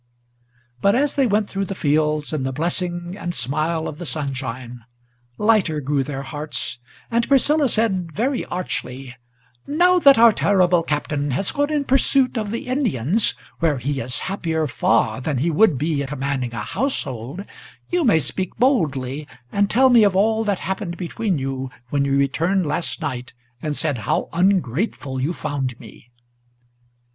But, as they went through the fields in the blessing and smile of the sunshine, Lighter grew their hearts, and Priscilla said very archly: "Now that our terrible Captain has gone in pursuit of the Indians, Where he is happier far than he would be commanding a household, You may speak boldly, and tell me of all that happened between you, When you returned last night, and said how ungrateful you found me."